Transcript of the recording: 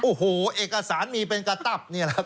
โอ้โหเอกสารมีเป็นกระตับนี่แหละครับ